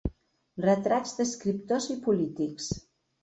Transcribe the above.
Retrats d'escriptors i polítics.